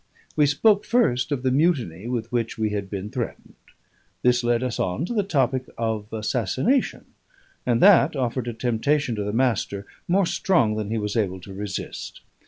We spoke first of the mutiny with which we had been threatened; this led us on to the topic of assassination; and that offered a temptation to the Master more strong than he was able to resist.